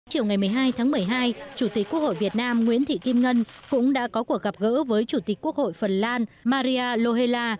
chiều ngày một mươi hai tháng một mươi hai chủ tịch quốc hội việt nam nguyễn thị kim ngân cũng đã có cuộc gặp gỡ với chủ tịch quốc hội phần lan maria lohela